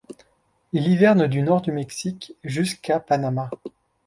Il hiverne du nord du Mexique jusqu'à Panama.